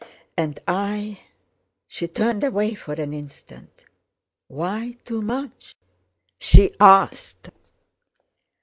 "And I!"—She turned away for an instant. "Why too much?" she asked.